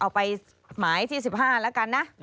หมายที่๑๕แล้วกันนะ